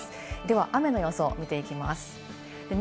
では雨の予想を見ていきます。